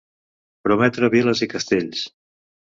Prometre viles i castells.